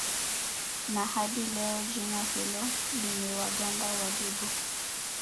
Na hadi leo jina hilo limewaganda Wadigo